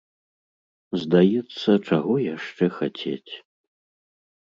Здаецца, чаго яшчэ хацець?